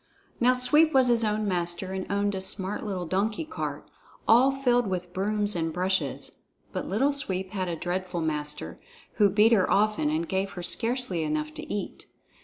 Now Sweep was his own master and owned a smart little donkey cart, all filled with brooms and brushes; but Little Sweep had a dreadful master, who beat her often and gave her scarcely enough to eat.